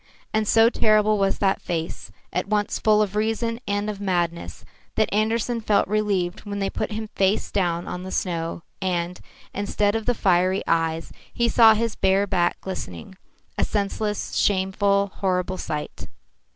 And so terrible was that face, at once full of reason and of madness, that Andersen felt relieved when they put him face downward on the snow and, instead of the fiery eyes, he saw his bare back glistening a senseless, shameful, horrible sight.